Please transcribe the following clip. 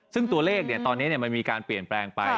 ซึ่งตัวเลขตอนนี้มันมีการเปลี่ยนแปลงไป